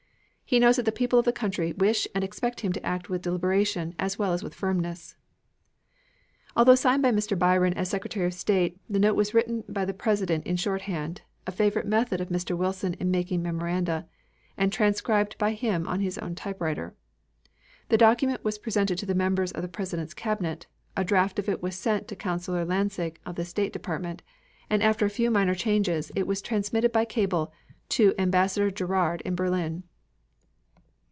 He knows that the people of the country wish and expect him to act with deliberation as well as with firmness. Although signed by Mr. Bryan, as Secretary of State, the note was written by the President in shorthand a favorite method of Mr. Wilson in making memoranda and transcribed by him on his own typewriter. The document was presented to the members of the President's Cabinet, a draft of it was sent to Counselor Lansing of the State Department, and after a few minor changes, it was transmitted by cable to Ambassador Gerard in Berlin.